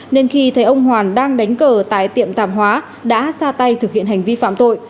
nên khi thấy ông hoàn đang đánh cờ tại tiệm tạp hóa đã ra tay thực hiện hành vi phạm tội